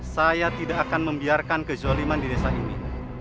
saya tidak akan membiarkan kezoliman di desa ini